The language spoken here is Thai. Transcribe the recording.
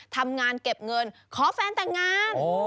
ทำงานเก็บเงินขอแฟนแต่งงาน